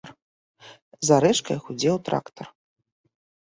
За рэчкай гудзеў трактар.